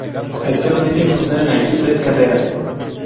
Actualmente funcionan allí tres carreras.